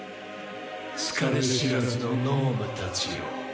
疲れ知らずの脳無達よ